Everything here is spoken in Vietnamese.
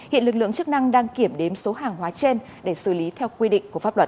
hiện lực lượng chức năng đang kiểm đếm số hàng hóa trên để xử lý theo quy định của pháp luật